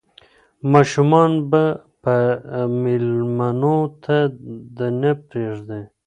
ماشومان به مېلمنو ته نه پرېږدي.